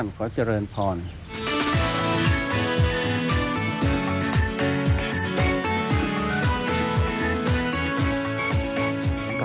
สวัสดีครับ